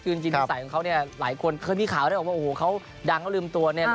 จริงใส่ของเขาเนี้ย